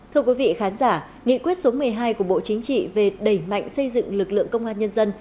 thưa quý vị khán giả nghị quyết số một mươi hai của bộ chính trị về đẩy mạnh xây dựng lực lượng công an nhân dân